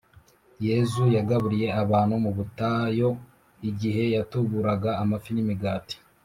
Yezu yagaburiye abantu mubutayo igihe yatuburaga amafi nimigati